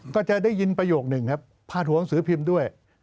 ก็จะได้ยินประโยคหนึ่งครับพาดหัวหนังสือพิมพ์ด้วย